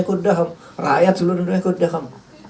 pak harto sudah ham rakyat seluruh dunia sudah ham